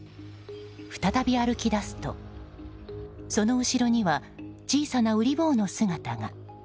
再び歩き出すとその後ろには小さなウリ坊の姿が。